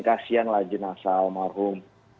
kasianlah jenazah almarhum